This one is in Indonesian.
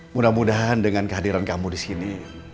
mudah mudahan dengan kehadiran kamu disini